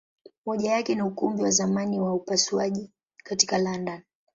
Moja yake ni Ukumbi wa zamani wa upasuaji katika London.